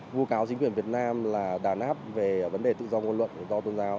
vô cáo chính quyền việt nam là đàn áp về vấn đề tự do ngôn luận tự do tôn giáo